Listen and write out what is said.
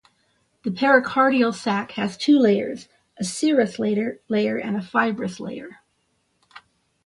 The pericardial sac has two layers, a serous layer and a fibrous layer.